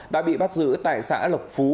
đã bị bắt giữ tại xã lộc phú